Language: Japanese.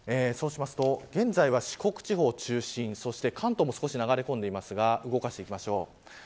現在は四国地方が中心関東も少し流れ込んでいますが動かしていきましょう。